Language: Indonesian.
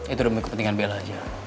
itu demi kepentingan bela aja